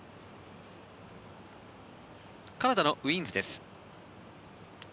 カナダのウィーンズです。